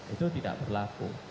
itu tidak berlaku